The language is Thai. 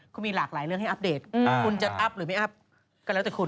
ก็มีหลากหลายเรื่องให้อัปเดตคุณจะอัพหรือไม่อัพก็แล้วแต่คุณ